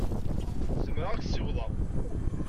Zemreɣ ad k-ssiwḍeɣ.